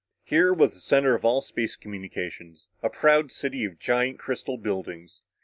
Here was the center of all space communications a proud city of giant crystal buildings.